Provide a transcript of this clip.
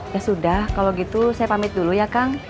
ya sudah kalau gitu saya pamit dulu ya kang